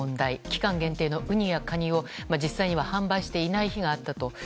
期間限定のウニやカニを実際には販売していない日もあったと。